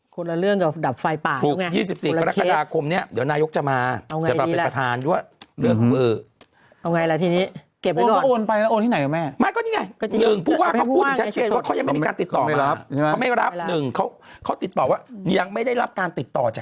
คนละเรื่องเนี่ยกว่าดับไฟป่า